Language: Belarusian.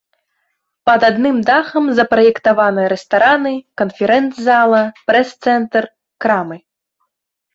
Пад адным дахам запраектаваны рэстараны, канферэнц-зала, прэс-цэнтр, крамы.